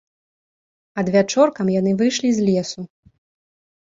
Адвячоркам яны выйшлі з лесу.